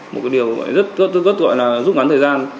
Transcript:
một cái điều rất gọi là giúp ngắn thời gian